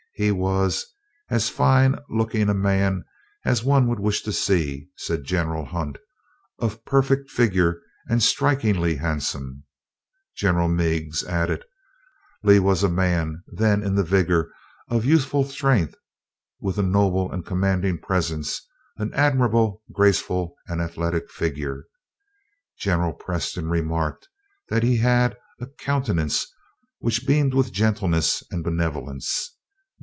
He was "as fine looking a man as one would wish to see," said General Hunt, "of perfect figure and strikingly handsome." General Meigs added: "Lee was a man then in the vigor of youthful strength, with a noble and commanding presence, and an admirable, graceful, and athletic figure." General Preston remarked that he had "a countenance which beamed with gentleness and benevolence."